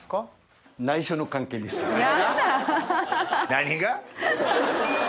何が？